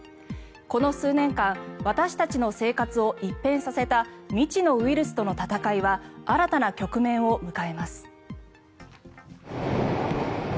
この数年間私たちの生活を一変させた未知のウイルスとの闘いは新たな局面を迎えます。